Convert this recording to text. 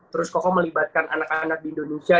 terus kokoh melibatkan anak anak di indonesia